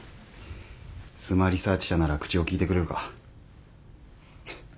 スマ・リサーチ社なら口を利いてくれるか？